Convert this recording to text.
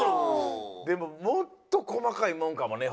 でももっとこまかいもんかもね。